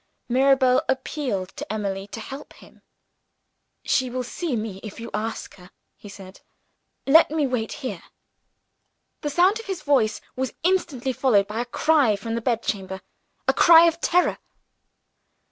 Mirabel appealed to Emily to help him. "She will see me, if you ask her," he said, "Let me wait here?" The sound of his voice was instantly followed by a cry from the bed chamber a cry of terror.